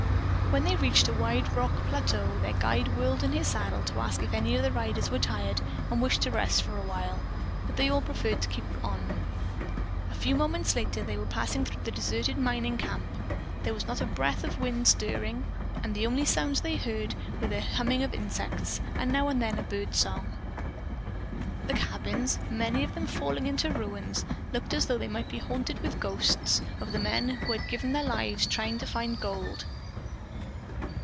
When they reached a wide rock plateau their guide whirled in his saddle to ask if any of the riders were tired and wished to rest for a while, but they all preferred to keep on. A few moments later they were passing through the deserted mining camp. There was not a breath of wind stirring and the only sounds they heard were the humming of insects and now and then a bird song. The cabins, many of them falling into ruins, looked as though they might be haunted with ghosts of the men who had given their lives trying to find gold.